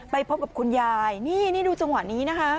ไปพบกับคุณยายนี่ดูจังหวะนี้นะคะ